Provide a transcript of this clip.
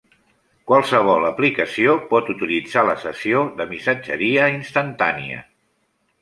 Qualsevol aplicació pot utilitzar la sessió de missatgeria instantània.